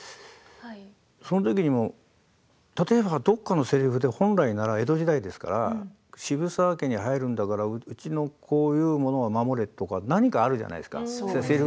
そのときにも例えばどこかのせりふで本来なら江戸時代ですから渋沢家に入るんだからうちのこういうものは守れとか何かあるじゃないですか。